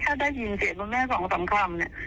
แค่ได้ยินเสียงของแม่๒สามคำ